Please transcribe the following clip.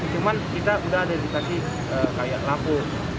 cuman kita udah ada di sasih kayak lampu